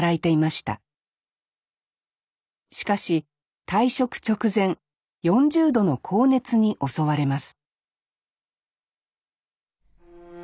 しかし退職直前４０度の高熱に襲われます